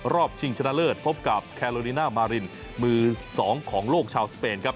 ชิงชนะเลิศพบกับแคโลลิน่ามารินมือ๒ของโลกชาวสเปนครับ